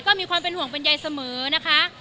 ก็มีความเป็นห่วงเป็นใยเสมอนะคะ